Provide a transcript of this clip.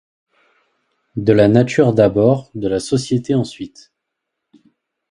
De la nature d’abord, de la société ensuite.